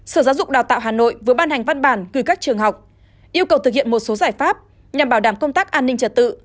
sở giáo dục đào tạo hà nội vừa ban hành văn bản gửi các trường học yêu cầu thực hiện một số giải pháp nhằm bảo đảm công tác an ninh trật tự